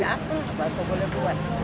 tidak ada tapi boleh buat